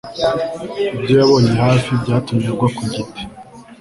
ibyo yabonye hafi byatumye agwa ku giti